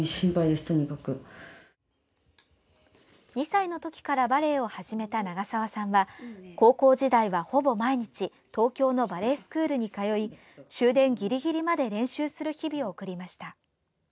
２歳のときからバレエを始めた長澤さんは高校時代は、ほぼ毎日東京のバレエスクールに通い終電ギリギリまで練習する日々を送りました。